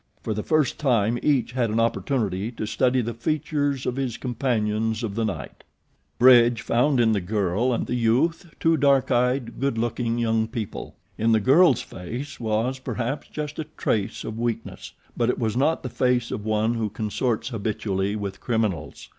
For the first time each had an opportunity to study the features of his companions of the night. Bridge found in the girl and the youth two dark eyed, good looking young people. In the girl's face was, perhaps, just a trace of weakness; but it was not the face of one who consorts habitually with criminals.